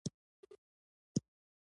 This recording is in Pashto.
استاد د تمدن د بنسټ خښته ده.